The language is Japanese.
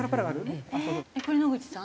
これ野口さん？